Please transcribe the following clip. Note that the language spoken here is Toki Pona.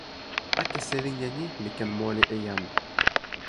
akesi linja ni li ken moli e jan.